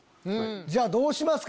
じゃあどうしますか？